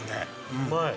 うまい！